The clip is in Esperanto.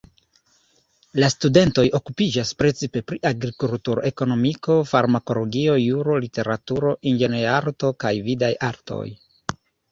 La studentoj okupiĝas precipe pri agrikulturo, ekonomiko, farmakologio, juro, literaturo, inĝenierarto kaj vidaj artoj.